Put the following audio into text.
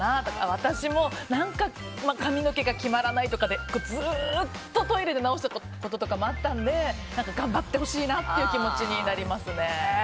私も、何か髪の毛が決まらないとかでずっとトイレで直したこととかもあったので頑張ってほしいなという気持ちになりますね。